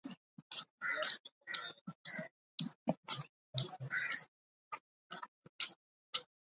In some cases the condition can be passed on genetically through a mutated gene.